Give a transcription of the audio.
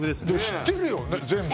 知ってるよ全部。